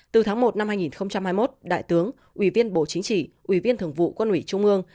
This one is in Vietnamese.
từ tháng một năm hai nghìn hai mươi một đại tướng ủy viên bộ chính trị ủy viên thường vụ quân ủy trung ương